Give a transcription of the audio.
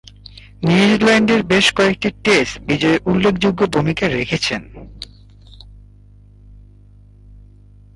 নিউজিল্যান্ডের বেশ কয়েকটি টেস্ট বিজয়ে উল্লেখযোগ্য ভূমিকা রেখেছেন।